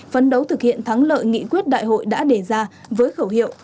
phấn đấu thực hiện thắng lợi nghị quyết đại hội đã đề ra với khẩu hiệu